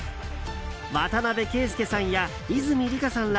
渡邊圭祐さんや泉里香さんら